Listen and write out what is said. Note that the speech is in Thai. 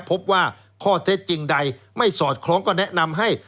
พบว่าข้อเท็จจริงใดไม่สอดคล้องก็แนะนำให้